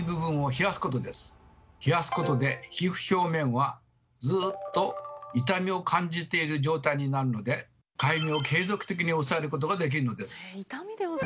冷やすことで皮膚表面はずっと痛みを感じている状態になるのでかゆみを継続的に抑えることができるのです。